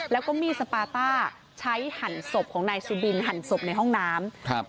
แล้วก็มีดสปาต้าใช้หั่นศพของนายสุบินหั่นศพในห้องน้ำครับ